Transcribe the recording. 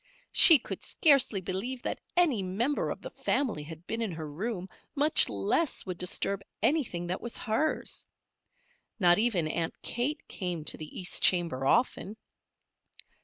She could scarcely believe that any member of the family had been in her room, much less would disturb anything that was hers. Not even Aunt Kate came to the east chamber often.